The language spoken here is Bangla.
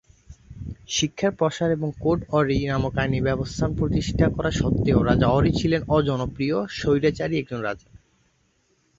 শিক্ষার প্রসার এবং "কোড অঁরি" নামক আইনি ব্যবস্থা প্রতিষ্ঠা করা সত্বেও, রাজা অঁরি ছিলেন অজনপ্রিয়, স্বৈরাচারী একজন রাজা।